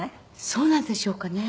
そうなんでしょうかね。